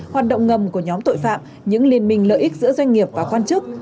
hoạt động ngầm của nhóm tội phạm những liên minh lợi ích giữa doanh nghiệp và quan chức